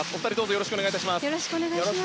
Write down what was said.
よろしくお願いします。